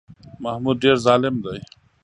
محمود ډېر ظالم دی.